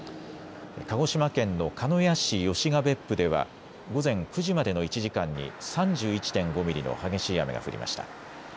鹿児島県の鹿屋市吉ケ別府では午前９時までの１時間に３１．５ミリの激しい雨が降りました。